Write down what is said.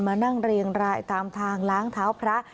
มานั่งเรียงรายตามทางล้างเท้าพระ